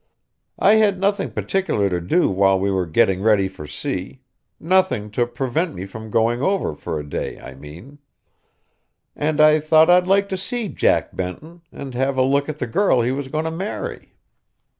I had nothing particular to do while we were getting ready for sea; nothing to prevent me from going over for a day, I mean; and I thought I'd like to see Jack Benton, and have a look at the girl he was going to marry.